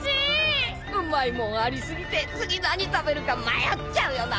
うまいもんありすぎて次何食べるか迷っちゃうよな。